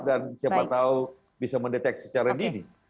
dan siapa tahu bisa mendeteksi secara diri